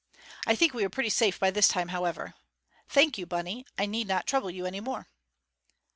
I think we are pretty safe by this time, however. Thank you, Bunny j I need not trouble you any more.